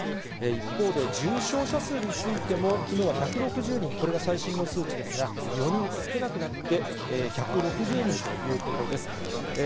一方で重症者数についても、きのうは１６０人、これが最新の数値ですが、４人少なくなって、１６０人ということです。